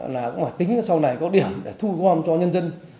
là cũng phải tính sau này có điểm để thu gom cho nhân dân